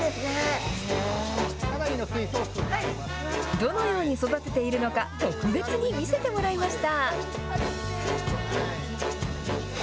どのように育てているのか、特別に見せてもらいました。